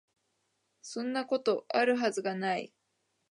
そんなこと、有る筈が無い